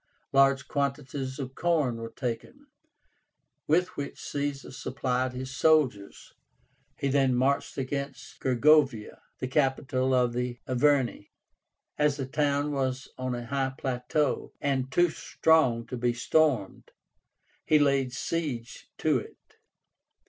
Large quantities of corn were taken, with which Caesar supplied his soldiers. He then marched against Gergovia, the capital of the Averni. As the town was on a high plateau, and too strong to be stormed, he laid siege to it.